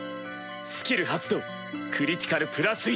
スキル発動クリティカルプラス１。